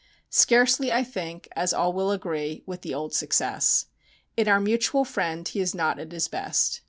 Scarcely, I think, as all will agree, with the old success. In "Our Mutual Friend" he is not at his best.